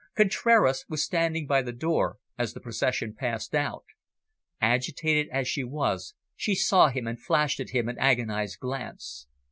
Contraras was standing by the door as the procession passed out. Agitated as she was, she saw him, and flashed at him an agonised glance.